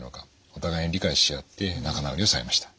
お互いに理解し合って仲直りをされました。